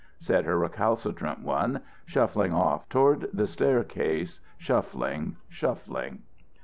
said her recalcitrant one, shuffling off toward the staircase, shuffling, shuffling.